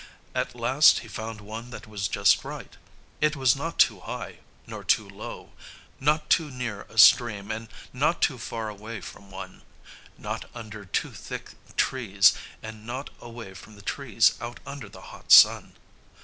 At last he found one that was just right. It was not too high, nor too low, not too near a stream and not too far away from one, not under too thick trees and not away from the trees out under the hot sun.